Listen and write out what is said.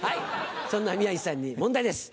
そんな宮治さんに問題です。